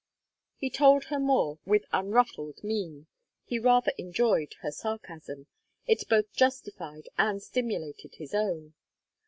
He told her more with unruffled mien; he rather enjoyed her sarcasm; it both justified and stimulated his own.